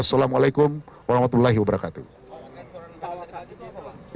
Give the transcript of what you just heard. assalamu'alaikum warahmatullahi wabarakatuh